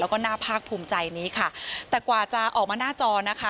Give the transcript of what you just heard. แล้วก็น่าภาคภูมิใจนี้ค่ะแต่กว่าจะออกมาหน้าจอนะคะ